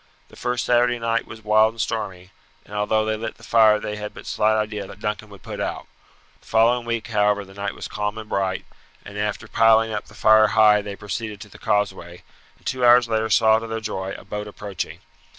The first Saturday night was wild and stormy, and although they lit the fire they had but slight idea that Duncan would put out. The following week, however, the night was calm and bright, and after piling up the fire high they proceeded to the causeway, and two hours later saw to their joy a boat approaching.